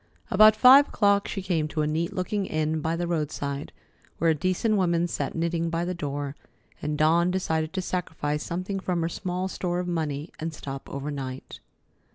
About five o'clock she came to a neat looking inn by the roadside, where a decent woman sat knitting by the door, and Dawn decided to sacrifice something from her small store of money and stop overnight.